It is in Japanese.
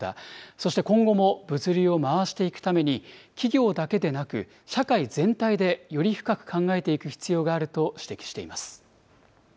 そして今後も物流を回していくために、企業だけでなく、社会全体でより深く考えていく必要があると指摘しています。